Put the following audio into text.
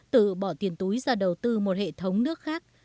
tự bỏ tiền túi ra đầu tư một hệ thống nước khác